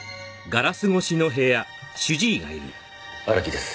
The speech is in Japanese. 荒木です。